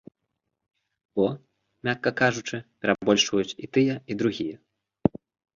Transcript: Бо, мякка кажучы, перабольшваюць і тыя, і другія.